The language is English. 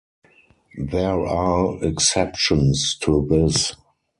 There are exceptions to this.